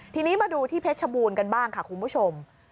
ทีนี้มาดูที่เพชรบูรณ์กันบ้างค่ะคุณผู้ชม